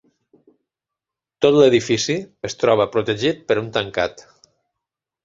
Tot l'edifici es troba protegit per un tancat.